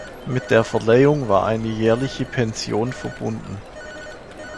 Mit der Verleihung war eine jährliche Pension verbunden.